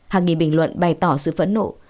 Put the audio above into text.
hàng nghìn bình luận bày tỏ sự phẫn nộ